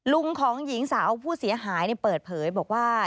ลุงของหญิงสาวผู้เสียหายเปิดเผยบอกว่า